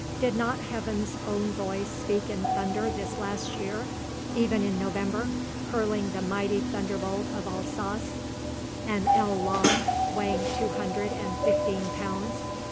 Did not Heaven's own voice speak in thunder this last year, even in November, hurling the mighty thunderbolt of Alsace, an ell long, weighing two hundred and fifteen pounds?